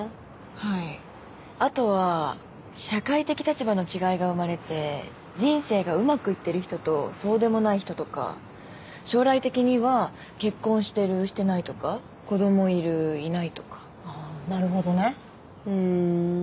はいあとは社会的立場の違いが生まれて人生がうまくいってる人とそうでもない人とか将来的には結婚してるしてないとか子どもいるいないとかああーなるほどねふーん